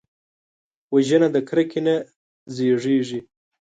وژنه د کرکې نه زیږېږي